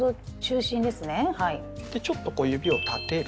でちょっとこう指を立てる。